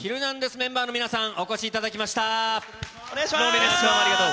メンバーの皆さん、お越しいただきましお願いします！